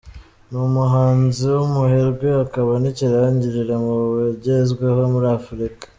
Ni umuhanzi w’umuherwe akaba n’ikirangirire mu bagezweho muri Afurika.